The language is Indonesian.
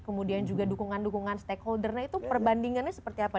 kemudian juga dukungan dukungan stakeholdernya itu perbandingannya seperti apa